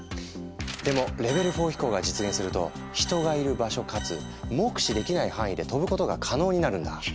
でもレベル４飛行が実現すると人がいる場所かつ目視できない範囲で飛ぶことが可能になるんだ。